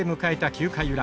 ９回裏。